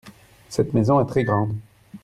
Cette maison est très grande.